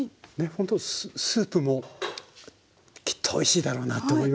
ほんとスープもきっとおいしいだろうなと思いますよね。